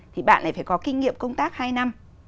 thì bạn lại phải có kinh nghiệm công tác hai năm